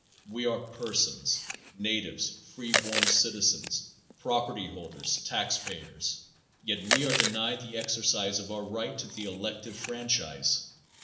We are persons; natives, free born citizens; property holders, taxpayers, yet we are denied the exercise of our right to the elective franchise.